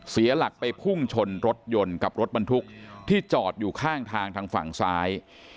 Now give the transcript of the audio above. เสียหลักไปพุ่งชนรถยนต์กับรถบรรทุกที่จอดอยู่ข้างทางทางฝั่งซ้าย